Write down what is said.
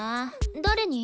誰に？